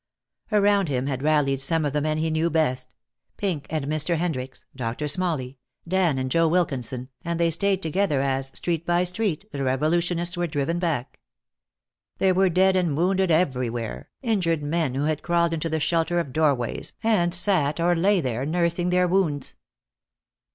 Around him had rallied some of the men he knew best, Pink and Mr. Hendricks, Doctor Smalley, Dan and Joe Wilkinson, and they stayed together as, street by street, the revolutionists were driven back. There were dead and wounded everywhere, injured men who had crawled into the shelter of doorways and sat or lay there, nursing their wounds.